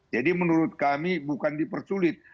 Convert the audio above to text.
jadi menurut kami bukan dipersulit